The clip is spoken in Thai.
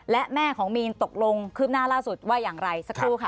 และแม่ของมีนตกลงคืบหน้าล่าสุดว่าอย่างไรสักครู่ค่ะ